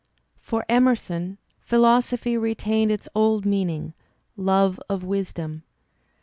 For Emerson philosophy retained its old meaning, love of wisdom.